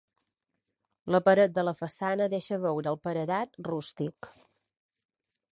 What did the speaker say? La paret de la façana deixa veure el paredat rústic.